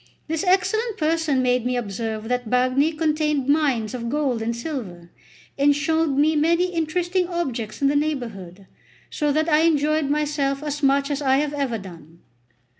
This excellent person made me observe that the Bagni contained mines of gold and silver, and showed me many interesting objects in the neighbourhood; so that I enjoyed myself as much as I have ever done.